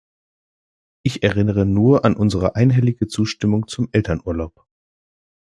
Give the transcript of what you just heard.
Ich erinnere nur an unsere einhellige Zustimmung zum Elternurlaub.